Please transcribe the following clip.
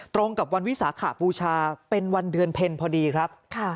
ตรงกับวันวิสาขบูชาเป็นวันเดือนเพ็ญพอดีครับ